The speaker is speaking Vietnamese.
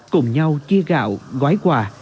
cùng nhau chia gạo gói quà